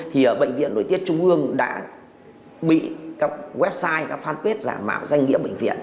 thì bệnh viện nội tiết trung ương đã bị các website các fanpage giả mạo danh nghĩa bệnh viện